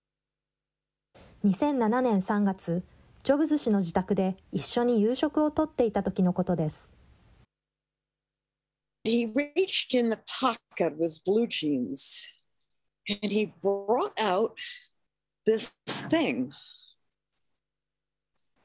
２００７年３月、ジョブズ氏の自宅で一緒に夕食をとっていたときのことです。